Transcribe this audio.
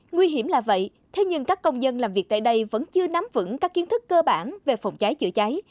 nguy hiểm là vậy thế nhưng các công dân làm việc tại đây vẫn chưa nắm vững các kiến thức cơ bản về phòng cháy chữa cháy